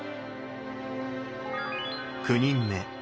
９人目。